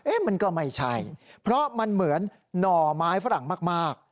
มันก็ไม่ใช่เพราะมันเหมือนหน่อไม้ฝรั่งมาก